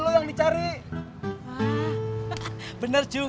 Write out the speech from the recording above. kalau tukang toprak yang gak naik gak naik juga